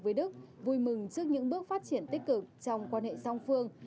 với đức vui mừng trước những bước phát triển tích cực trong quan hệ song phương